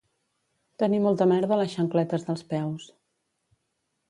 Tenir molta merda a les xancletes dels peus